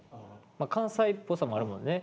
まあ関西っぽさもあるもんね。